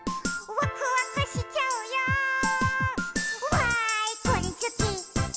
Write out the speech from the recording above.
「わーいこれすき！